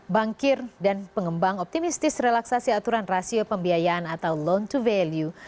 bankir dan pengembang optimistis relaksasi aturan rasio pembiayaan atau loan to value